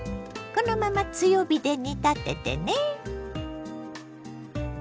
このまま強火で煮立ててね。